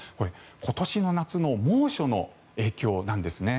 今年の夏の猛暑の影響なんですね。